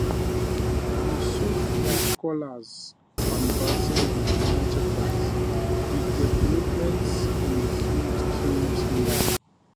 With so few scholars advancing the enterprise, the developments in the field came slowly.